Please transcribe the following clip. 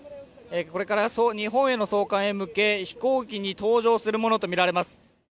これから日本への送還へ向け飛行機に搭乗するものとみられます。